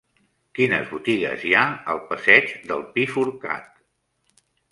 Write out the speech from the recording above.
Quines botigues hi ha al passeig del Pi Forcat?